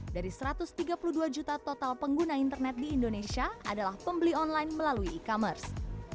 dari satu ratus tiga puluh dua juta total pengguna internet di indonesia adalah pembeli online melalui e commerce